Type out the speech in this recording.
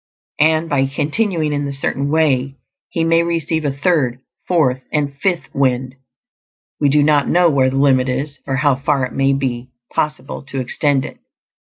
And by continuing in the Certain Way, he may receive a third, fourth, and fifth "wind"; we do not know where the limit is, or how far it may be possible to extend it.